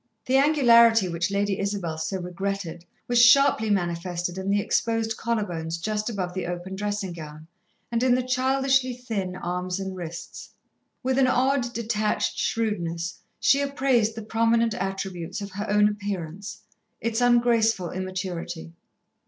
The angularity which Lady Isabel so regretted was sharply manifested in the exposed collar bones just above the open dressing gown, and in the childishly thin arms and wrists. With an odd, detached shrewdness, she appraised the prominent attributes of her own appearance, its ungraceful immaturity.